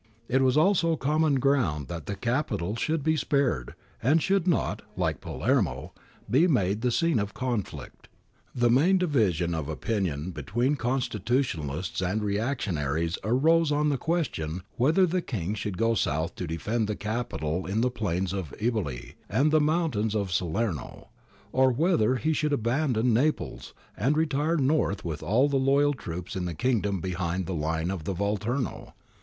It was also common ground that the Capital should be spared and should not, like Palermo, be made the scene of conflict. The main division of opinion be tween constitutionalists and reactionaries arose on the question whether the King should go south to defend the Capital in the plains of Eboli and the mountains of Salerno ; or whether he should abandon Naples and re tire north with all the loyal troops in the Kingdom behind the line of the Volturno.